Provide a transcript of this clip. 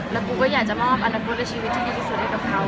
แล้วปูก็อยากจะมอบอนาคตและชีวิตที่ดีที่สุดให้กับเขา